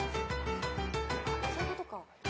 ・そういうことか。